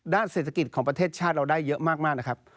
ด้านเศรษฐกิจของประเทศชาติเราได้เยอะมากนะครับ